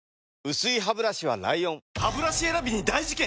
薄いハブラシは ＬＩＯＮハブラシ選びに大事件！